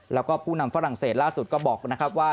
แล้วก็ผู้นำฝรั่งเศสล่าสุดก็บอกนะครับว่า